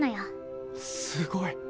すごい！